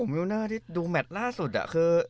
มิวเนอร์ที่ดูแมทล่าสุดอ่ะคือ